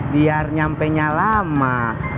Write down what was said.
biar nyampenya lama